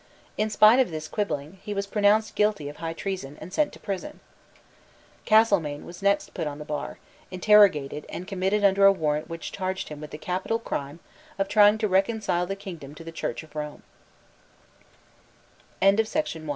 In spite of this quibbling, he was pronounced guilty of high treason, and sent to prison, Castlemaine was put next to the bar, interrogated, and committed under a warrant which charged him with the capital crime of trying to reconcile the kingdom to the Church of Rome, [5